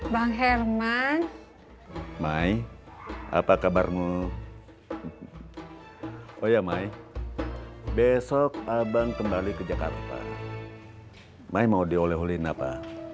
bang herman mai apa kabarmu oh ya mai besok abang kembali ke jakarta mai mau dioleh oleh oleh apa